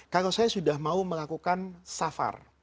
kalau saya sudah mau melakukan safar